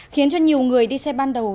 khiến cho nhiều người đi xe ban đầu